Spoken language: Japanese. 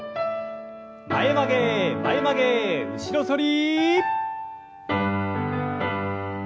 前曲げ前曲げ後ろ反り。